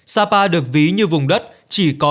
sapa được ví như vùng đất chỉ có